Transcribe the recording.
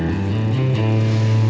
jadi abah akan minta ni luka